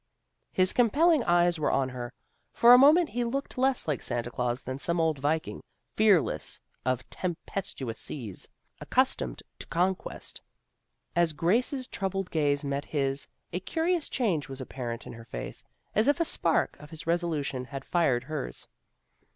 " His compelling eyes were on her. For a moment he looked less like Santa Glaus than some old viking, fearless of tempestuous seas, accustomed to conquest. As Grace's troubled gaze met his a curious change was apparent in her face, as if a spark of his resolution had fired hers.